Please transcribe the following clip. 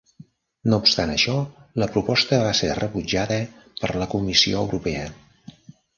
No obstant això, la proposta va ser rebutjada per la Comissió Europea.